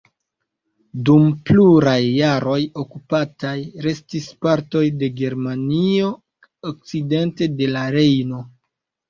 Dum pluraj jaroj okupataj restis partoj de Germanio okcidente de la Rejno.